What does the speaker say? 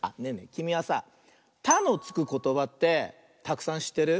きみはさ「た」のつくことばってたくさんしってる？